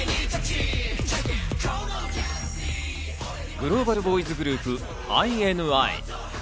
グローバルボーイズグループ、ＩＮＩ。